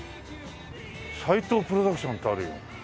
「さいとう・プロダクション」ってあるよ。